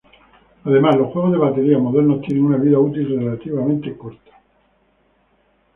Además, los juegos de baterías modernas tienen una vida útil relativamente corta.